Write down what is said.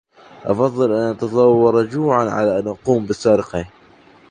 أفضّل أن أتضوّر جوعاّ على أن أقوم بالسرقة.